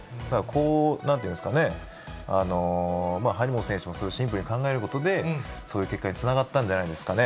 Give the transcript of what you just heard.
なんていうんですかね、張本選手もシンプルに考えることで、そういう結果につながったんじゃないですかね？